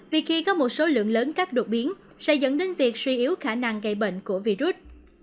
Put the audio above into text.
vì khi có một số lượng lớn các đột biến sẽ dẫn đến việc suy yếu khả năng gây bệnh của virus